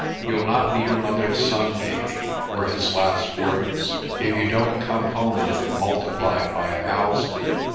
"You'll not be your mother's son, Davie," were his last words, "if you don't come home with it multiplied by a thousand."